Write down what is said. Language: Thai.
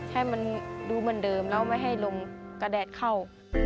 ให้มันดูเหมือนเดิมแล้วไม่ให้ลมกระแดดเข้า